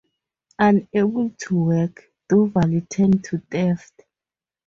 Unable to work, Duval turned to theft.